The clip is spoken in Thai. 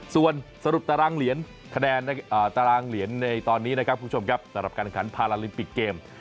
ส่วนสรุปตารางเหรียญตอนนี้นะครับคุณผู้ชมครับสำหรับการขันพาราลิมปิกเกม